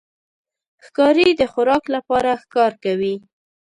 ښکاري د خوراک لپاره ښکار کوي.